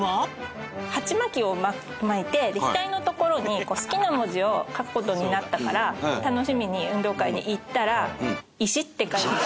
ハチマキを巻いて額のところに好きな文字を書く事になったから楽しみに運動会に行ったら「石」って書いて。